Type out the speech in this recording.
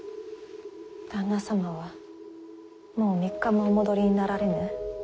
旦那様はもう３日もお戻りになられぬ。